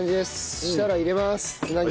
そしたら入れますつなぎ。